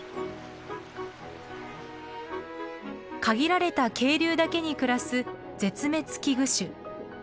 限られた渓流だけに暮らす絶滅危惧種。